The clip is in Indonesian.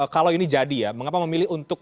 kalau ini jadi ya mengapa memilih untuk